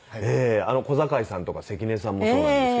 小堺さんとか関根さんもそうなんですけど。